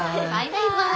バイバイ。